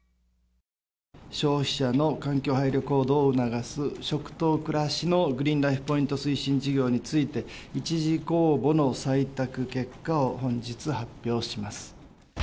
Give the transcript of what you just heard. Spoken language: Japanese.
消費者の環境配慮行動を促す食と暮らしのグリーンライフ・ポイント推進事業について、１次公募の採択結果を、本日、発表します。